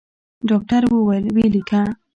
ډاکتر وويل ويې ليکه.